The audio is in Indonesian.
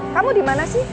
kamu dimana sih